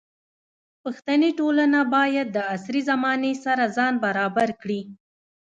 پښتني ټولنه باید د عصري زمانې سره ځان برابر کړي.